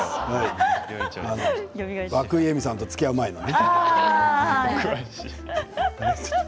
和久井映見さんとつきあう前のね。